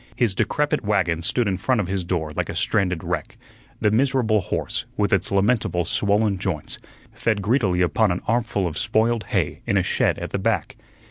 His decrepit wagon stood in front of his door like a stranded wreck; the miserable horse, with its lamentable swollen joints, fed greedily upon an armful of spoiled hay in a shed at the back.